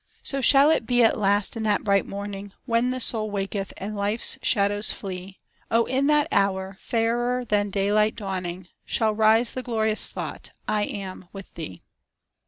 So shall it be at last in that bright morning, When the soul waketh, and life's shadows flee; O in that hour, fairer than daylight dawning, Shall rise the glorious thought I am with Thee.